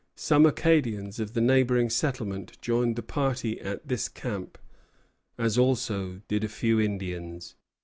Some Acadians of the neighboring settlement joined the party at this camp, as also did a few Indians.